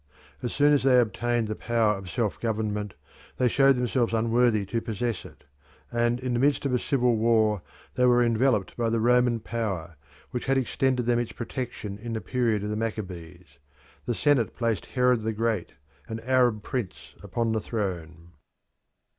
As soon as they obtained the power of self government they showed themselves unworthy to possess it, and in the midst of a civil war they were enveloped by the Roman power, which had extended them its protection in the period of the Maccabees. The Senate placed Herod the great, an Arab price, upon the throne.